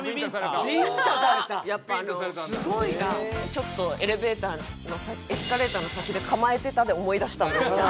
ちょっとエレベーターの「エスカレーターの先で構えてた」で思い出したんですけど。